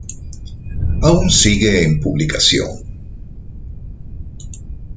Aún sigue en publicación.